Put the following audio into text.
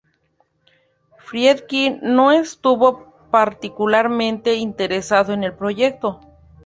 Friedkin no estuvo particularmente interesado en el proyecto.